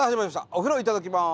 「お風呂いただきます」。